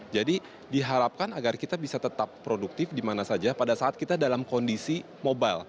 jadi diharapkan agar kita bisa tetap produktif di mana saja pada saat kita dalam kondisi mobile